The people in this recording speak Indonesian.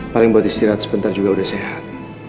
paling buat istirahat sebentar juga udah sehat